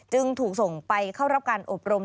จึงถูกส่งไปเข้ารับการอบรม